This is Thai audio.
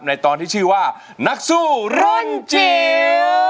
ในตอนที่ชื่อว่านักสู้รุ่นจิ๋ว